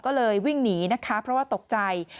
ก็เลยวิ่งหนีนะคะเพราะว่าตกใจ